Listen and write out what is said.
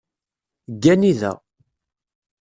Ggani da.